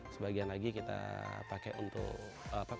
sebagian lagi kita pakai untuk apa